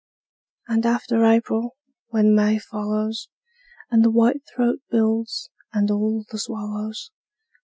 And after April, when May follows, And the whitethroat builds, and all the swallows!